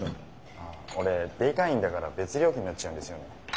ああオレデイ会員だから別料金になっちゃうんですよね。